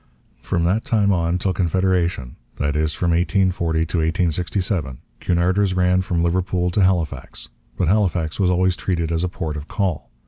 From that time on till Confederation, that is, from 1840 to 1867, Cunarders ran from Liverpool to Halifax. But Halifax was always treated as a port of call.